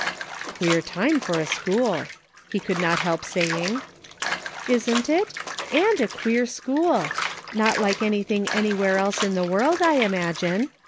"Queer time for a school," he could not help saying. " Isn't it .■* and a queer school. Not like anything anywhere else in the world, I imagine.